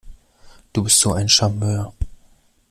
Du bist so ein Charmeur!